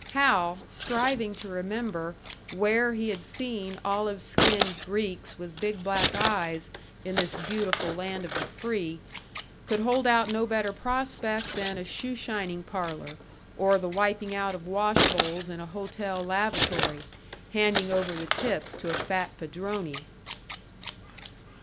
Hal, striving to remember where he had seen olive skinned Greeks with big black eyes in this beautiful land of the free, could hold out no better prospect than a shoe shining parlour, or the wiping out of wash bowls in a hotel lavatory, handing over the tips to a fat padrone.